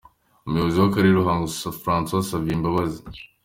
Umuyobozi w’Akarere ka Ruhango Francois Xavier Mbabazi .